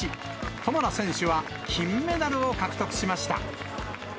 トマラ選手は金メダルを獲得しました。